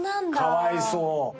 かわいそう。